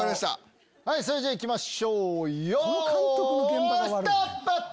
それじゃあいきましょうよいスタート！